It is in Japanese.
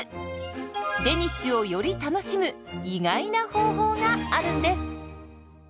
デニッシュをより楽しむ意外な方法があるんです。